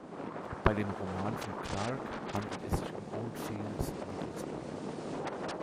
Bei dem Roman von Clarke handelt es sich um Oldfields Lieblingsbuch.